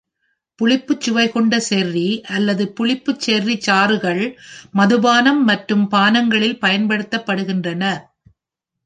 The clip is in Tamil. புளிப்புச் சுவை கொண்ட செர்ரி அல்லது புளிப்பு செர்ரி சாறுகள் மதுபானம் மற்றும் பானங்களில் பயன்படுத்தப்படுகின்றன.